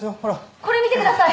これ見てください！